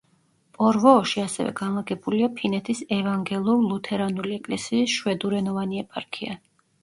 პორვოოში ასევე განლაგებულია ფინეთის ევანგელურ-ლუთერანული ეკლესიის შვედურენოვანი ეპარქია.